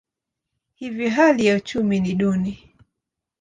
Hivyo hali ya uchumi ni duni.